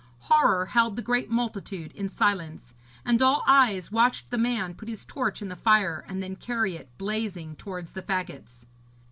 Horror held the great multitude in silence, and all eyes watched the man put his torch in the fire, and then carry it blazing towards the faggots.